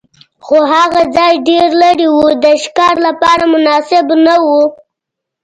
خو هغه ځای ډېر لرې و، د ښکار لپاره مناسب نه و.